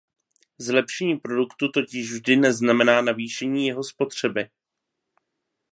Zlepšení produktu totiž vždy neznamená navýšení jeho spotřeby.